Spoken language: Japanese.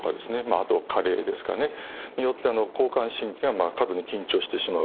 あとは加齢ですかねによって交感神経が過度に緊張してしまう。